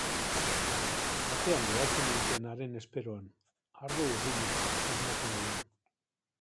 Atean geratzen nintzen haren esperoan, ardo-urrina usnatu nahian.